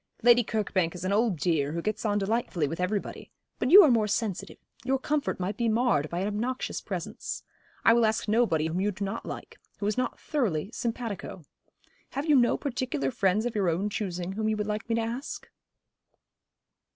'Lady Kirkbank is an old dear, who gets on delightfully with everybody. But you are more sensitive. Your comfort might be marred by an obnoxious presence. I will ask nobody whom you do not like who is not thoroughly simpatico. Have you no particular friends of your own choosing whom you would like me to ask?'